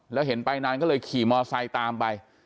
แล้วเห็นไปนานก็เลยขี่มอไซค์ตามไป